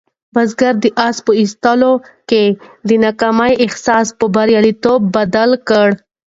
بزګر د آس په ایستلو کې د ناکامۍ احساس په بریالیتوب بدل کړ.